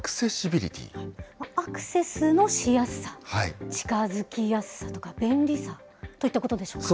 アクセスのしやすさ、近づきやすさとか便利さといったことでしょうか。